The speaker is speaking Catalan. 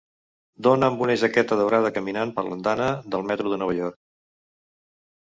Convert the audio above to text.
Dona amb una jaqueta daurada caminant per l'andana del metro de Nova York.